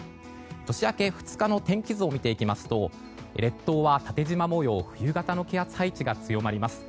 年明け２日の天気図を見ていきますと列島は縦じま模様冬型の気圧配置が強まります。